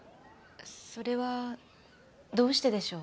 それはどうしてでしょう？